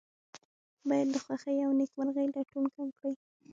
باید د خوښۍ او نیکمرغۍ لټون کم کړي.